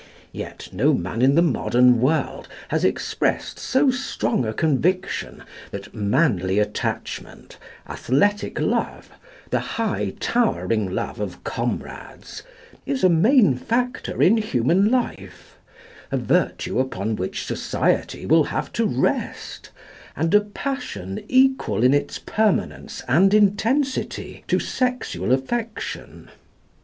Yet no man in the modern world has expressed so strong a conviction that "manly attachment," "athletic love," "the high towering love of comrades," is a main factor in human life, a virtue upon which society will have to rest, and a passion equal in its permanence and intensity to sexual affection.